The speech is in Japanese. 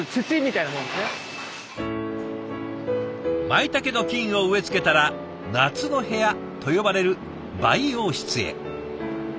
まいたけの菌を植え付けたら夏の部屋と呼ばれる培養室へ。